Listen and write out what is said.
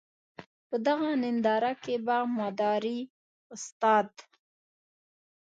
په دغه ننداره کې به مداري استاد.